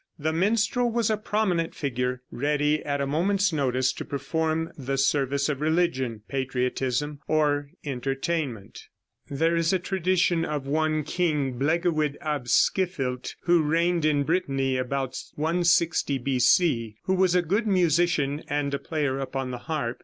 The minstrel was a prominent figure, ready at a moment's notice to perform the service of religion, patriotism or entertainment. There is a tradition of one King Blegywied ap Scifyllt, who reigned in Brittany about 160 B.C., who was a good musician and a player upon the harp.